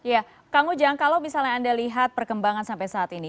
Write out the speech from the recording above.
ya kang ujang kalau misalnya anda lihat perkembangan sampai saat ini